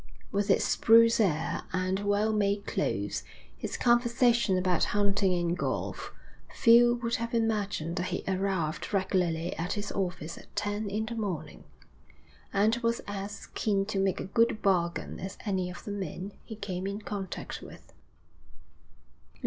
With his spruce air and well made clothes, his conversation about hunting and golf, few would have imagined that he arrived regularly at his office at ten in the morning, and was as keen to make a good bargain as any of the men he came in contact with.